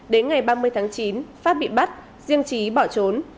đến ngày ba mươi tháng chín phát bị bắt riêng trí bỏ trốn